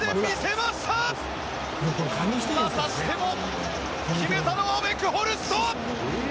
またしても決めたのはウェクホルスト！